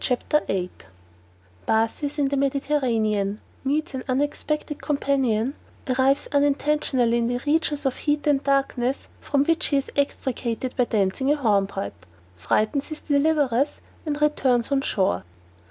CHAPTER VIII _Bathes in the Mediterranean Meets an unexpected companion Arrives unintentionally in the regions of heat and darkness, from which he is extricated by dancing a hornpipe Frightens his deliverers, and returns on shore.